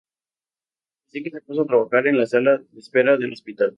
Así que se puso a trabajar en la sala de espera del hospital.